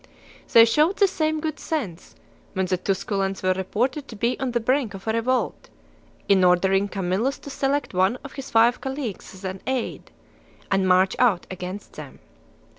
They showed the same good sense, when the Tusculans were reported to be on the brink of a revolt, in ordering Camillus to select one of his five colleagues as an aid, and march out against them.